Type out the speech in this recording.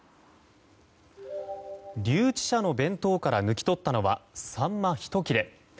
留置者の弁当から抜き取ったのはサンマ１切れ。